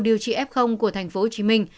điều trị f của thành phố hồ chí minh